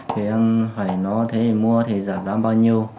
thì em hỏi nó thế thì mua thì giả giá bao nhiêu